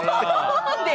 何で？